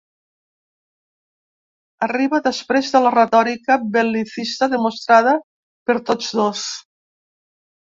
Arriba després de la retòrica bel·licista demostrada per tots dos.